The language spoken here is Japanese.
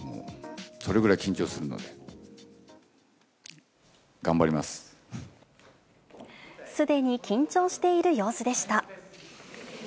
それぐらい、緊張するので、すでに緊張している様子でした。